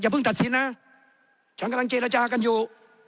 เพิ่งตัดสินนะฉันกำลังเจรจากันอยู่